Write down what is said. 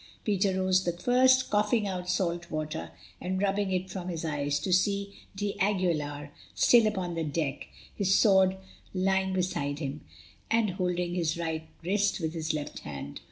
Peter rose the first, coughing out salt water, and rubbing it from his eyes, to see d'Aguilar still upon the deck, his sword lying beside him, and holding his right wrist with his left hand.